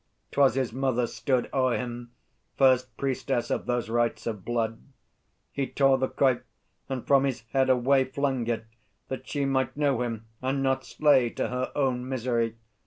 'Twas his mother stood O'er him, first priestess of those rites of blood. He tore the coif, and from his head away Flung it, that she might know him, and not slay To her own misery.